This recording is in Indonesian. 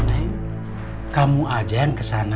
nei kamu aja yang kesana